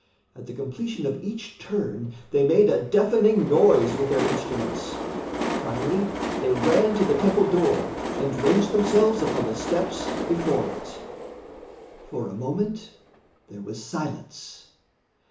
At the completion of each turn, they made a deafening noise with their instruments. Finally, they ran to the temple door and ranged themselves upon the steps before it. For a moment, there was silence.